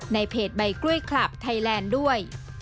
ในเพจใบกล้วยคลับไทยแลนด์ด้วย